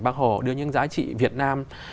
bác hồ đưa những giá trị việt nam